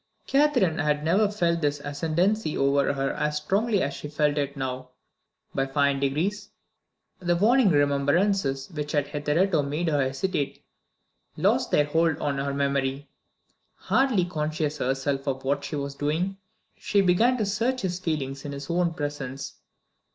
Catherine had never felt his ascendancy over her as strongly as she felt it now. By fine degrees, the warning remembrances which had hitherto made her hesitate lost their hold on her memory. Hardly conscious herself of what she was doing, she began to search his feelings in his own presence.